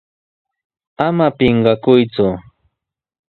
¡Ama pinqakuyku!